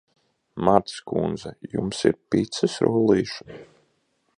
Martas kundze, jums ir picas rullīši?